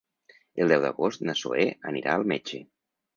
El deu d'agost na Zoè anirà al metge.